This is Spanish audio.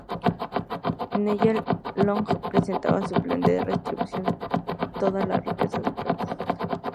En ella, Long presentaba su plan de redistribuir toda la riqueza del país.